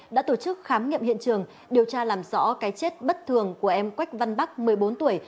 đã tổ chức khám nghiệm hiện trường điều tra làm rõ cái chết bất thường của em quách văn bắc một mươi bốn tuổi